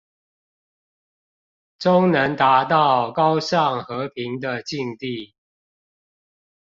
終能達到高尚和平的境地